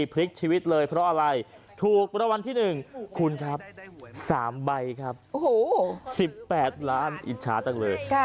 พลิกชีวิตเลยเพราะอะไรถูกรางวัลที่๑คุณครับ๓ใบครับ๑๘ล้านอิจฉาจังเลย